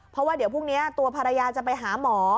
เพราะว่าเดี๋ยวพรุ่งนี้ตัวภรรยาจะไปหาหมอ